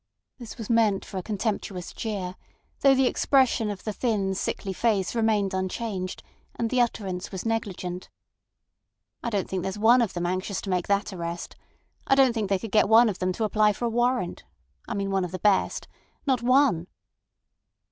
This was meant for a contemptuous jeer, though the expression of the thin, sickly face remained unchanged, and the utterance was negligent. "I don't think there's one of them anxious to make that arrest. I don't think they could get one of them to apply for a warrant. I mean one of the best. Not one."